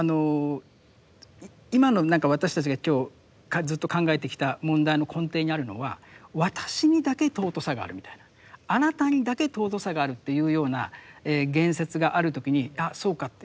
今の何か私たちが今日ずっと考えてきた問題の根底にあるのは私にだけ尊さがあるみたいなあなたにだけ尊さがあるっていうような言説がある時にあそうかって。